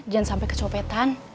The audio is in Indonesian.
jangan sampai kecopetan